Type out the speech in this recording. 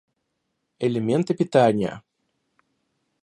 Элементы питания